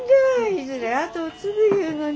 いずれ後を継ぐいうのに。